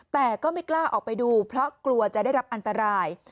แต่ก็ไม่กล้าออกไปดูเพราะกลัวจะได้รับอันตราย